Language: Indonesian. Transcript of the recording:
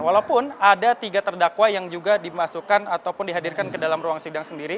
walaupun ada tiga terdakwa yang juga dimasukkan ataupun dihadirkan ke dalam ruang sidang sendiri